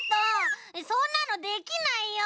そんなのできないよ！